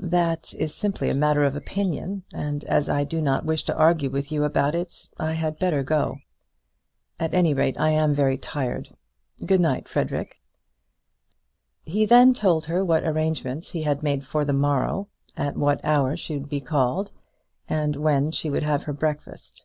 "That is simply a matter of opinion, and as I do not wish to argue with you about it, I had better go. At any rate I am very tired. Good night, Frederic." He then told her what arrangements he had made for the morrow, at what hour she would be called, and when she would have her breakfast.